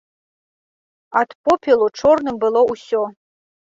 Ад попелу чорным было ўсё.